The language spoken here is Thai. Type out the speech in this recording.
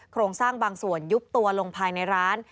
โครงสร้างบางส่วนยุบตัวลงภายในร้าน